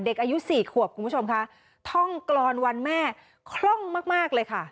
เด็กอายุ๔ขวบคุณผู้ชมคะท่องกรอนวันแม่คล่องมากเลยค่ะ